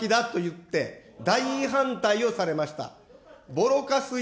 ばらまきだと言って、大反対をされました。